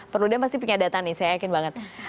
perludam pasti punya data nih saya yakin banget